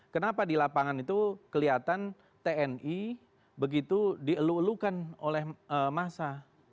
kenapa di lapangan itu kelihatan tni begitu dieluk elukan oleh massa